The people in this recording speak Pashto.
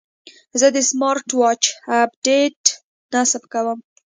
زه د سمارټ واچ اپډیټ نصب کوم.